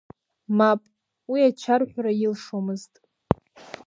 Мап, уи ачарҳәра илшомызт.